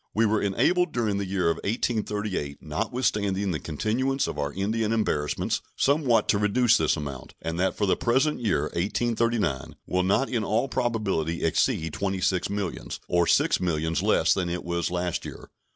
We were enabled during the year 1838, notwithstanding the continuance of our Indian embarrassments, somewhat to reduce this amount, and that for the present year (1839) will not in all probability exceed twenty six millions, or six millions less than it was last year.